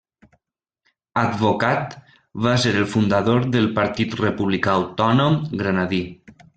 Advocat, va ser el fundador del Partit Republicà Autònom Granadí.